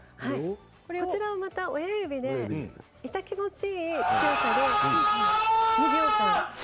こちらをまた親指で痛気持ちいい強さで２秒間。